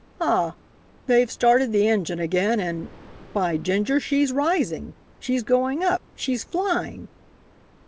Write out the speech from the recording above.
Ah! They've started the engine again and by ginger, she's rising! She's going up! She's flying!"